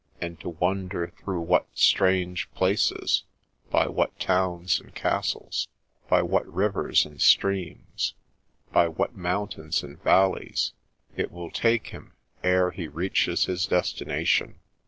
. and to wonder through what strange places, by what towns and castles, by what rivers and streams, by what mountains and valleys it will take him ere he reaches his destination?"